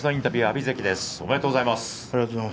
ありがとうございます。